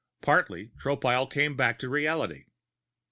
Partly, Tropile came back to reality.